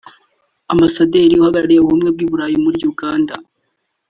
Ambasaderi uhagarariye Ubumwe bw’u Burayi muri Uganda